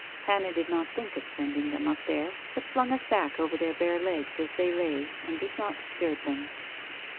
Hannah did not think of sending them up there, but flung a sack over their bare legs as they lay, and did not disturb them.